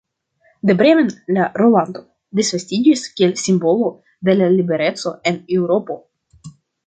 De Bremen la rolando disvastiĝis kiel simbolo de la libereco en Eŭropo.